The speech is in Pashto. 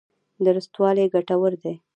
درستوالی ګټور دی.